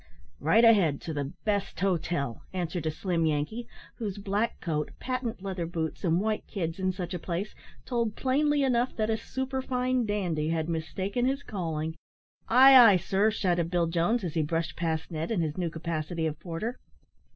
"Right ahead to the best hotel," answered a slim Yankee, whose black coat, patent leather boots, and white kids, in such a place, told plainly enough that a superfine dandy had mistaken his calling. "Ay, ay, sir!" shouted Bill Jones, as he brushed past Ned, in his new capacity of porter.